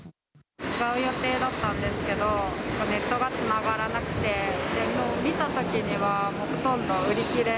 使う予定だったんですけど、ネットがつながらなくて、見たときには、ほとんど売り切れ。